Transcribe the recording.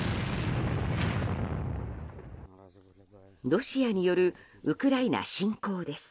ロシアによるウクライナ侵攻です。